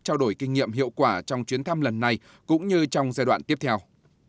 trao đổi kinh nghiệm hiệu quả trong chuyến thăm lần này cũng như trong giai đoạn tiếp theo